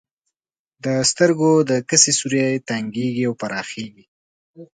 د سترګو کسي سوری تنګیږي او پراخیږي.